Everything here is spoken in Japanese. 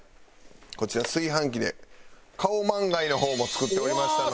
こちら炊飯器でカオマンガイの方も作っておりましたので。